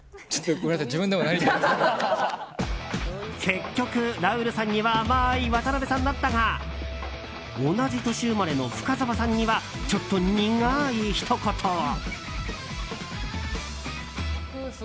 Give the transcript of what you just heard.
結局、ラウールさんには甘い渡辺さんだったが同じ年生まれの深澤さんにはちょっと苦いひと言を。